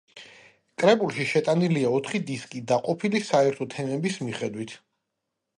კრებულში შეტანილია ოთხი დისკი, დაყოფილი საერთო თემების მიხედვით.